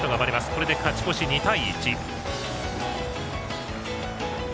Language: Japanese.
これで勝ち越し、２対１。